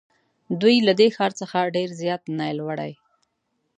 دوی له دې ښار څخه ډېر زیات نیل وړي.